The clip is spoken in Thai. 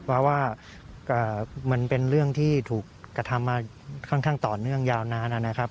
เพราะว่ามันเป็นเรื่องที่ถูกกระทำมาค่อนข้างต่อเนื่องยาวนานนะครับ